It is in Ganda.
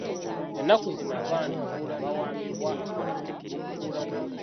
Ennaku zino abaana abawambibwa battibwa.